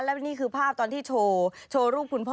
และนี่คือภาพตอนที่โชว์รูปคุณพ่อ